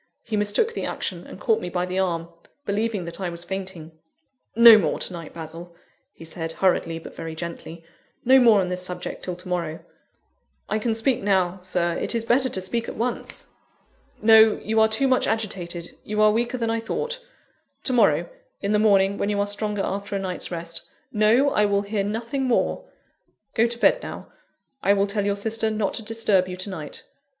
He mistook the action, and caught me by the arm, believing that I was fainting. "No more to night, Basil," he said, hurriedly, but very gently; "no more on this subject till to morrow." "I can speak now, Sir; it is better to speak at once." "No: you are too much agitated; you are weaker than I thought. To morrow, in the morning, when you are stronger after a night's rest. No! I will hear nothing more. Go to bed now; I will tell your sister not to disturb you to night.